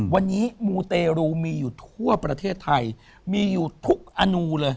วันนี้มูเตรูมีอยู่ทั่วประเทศไทยมีอยู่ทุกอนูเลย